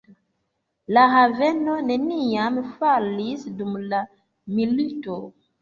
La haveno neniam falis dum la milito.